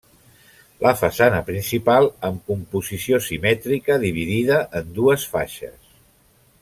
La façana principal amb composició simètrica dividida en dues faixes.